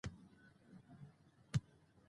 انګور د افغانستان د اجتماعي جوړښت یوه برخه ده.